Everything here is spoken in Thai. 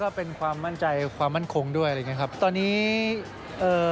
เป็นความมั่นใจความมั่นคงด้วยอะไรอย่างเงี้ครับตอนนี้เอ่อ